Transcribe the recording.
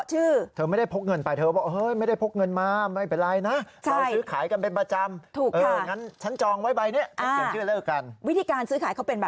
ใช่ค่ะแต่ไม่ได้เขียนนำสกุลไว้นะฮะ